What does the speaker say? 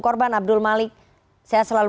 korban abdul malik saya selalu